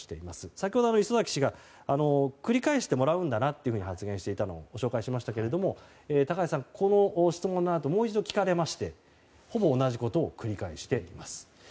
先ほど礒崎氏が繰り返してもらうんだなと発言していたのをご紹介しましたが高市さん、この質問のあともう一度聞かれましてほぼ同じことを繰り返しています。